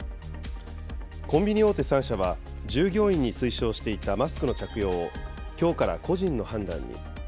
コンビニ大手３社は、従業員に推奨していたマスクの着用を、きょうから個人の判断に。